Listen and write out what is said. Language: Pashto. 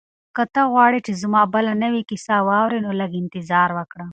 که ته غواړې چې زما بله نوې کیسه واورې نو لږ انتظار وکړه.